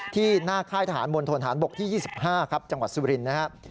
ที่หน้าค่ายทหารมนตรฐานบกที่๒๕จังหวัดสุรินฮะ